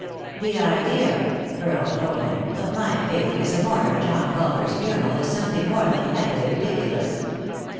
" The idea," Earle told him, " of my figuring as a mourner at John Culver's funeral is something more than the height of the ridiculous."